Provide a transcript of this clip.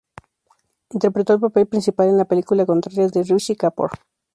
Interpretó el papel principal en la película contraria de Rishi Kapoor.